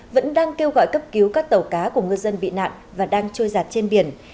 vẫn đang kêu gọi cấp cứu các tàu cá của ngư dân bị nạn và đang trôi giặt trên biển